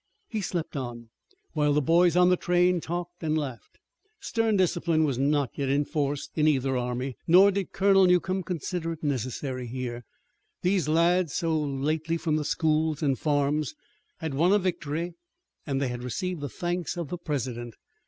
He slept on while the boys in the train talked and laughed. Stern discipline was not yet enforced in either army, nor did Colonel Newcomb consider it necessary here. These lads, so lately from the schools and farms, had won a victory and they had received the thanks of the President.